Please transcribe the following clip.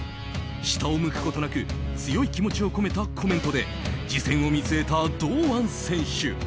下を向くことなく強い気持ちを込めたコメントで次戦を見据えた堂安選手。